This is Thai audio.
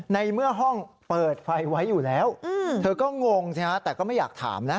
ในเมื่อห้องเปิดไฟไว้อยู่แล้วเธอก็งงสิฮะแต่ก็ไม่อยากถามนะ